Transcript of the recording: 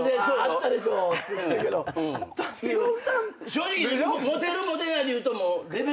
正直。